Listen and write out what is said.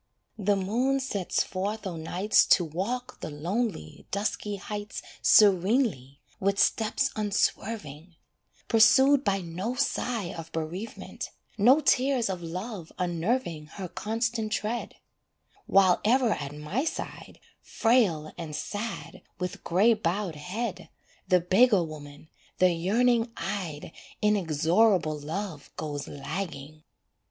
The moon sets forth o' nights To walk the lonely, dusky heights Serenely, with steps unswerving; Pursued by no sigh of bereavement, No tears of love unnerving Her constant tread: While ever at my side, Frail and sad, with grey bowed head, The beggar woman, the yearning eyed Inexorable love goes lagging.